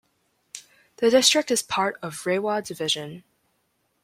The district is part of Rewa Division.